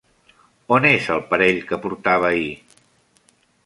On és el parell que portava ahir?